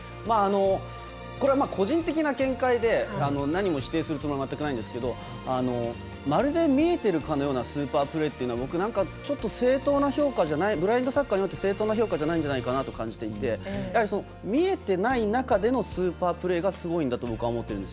これは個人的な見解で何も否定するつもりは全くないんですけどまるで見えてるかのようなスーパープレーってブラインドサッカーにおいて正当な評価じゃないんじゃないかと感じていてやはり見えてない中でのスーパープレーがすごいんだと僕は思うんです。